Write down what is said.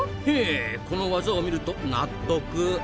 へえこの業を見ると納得。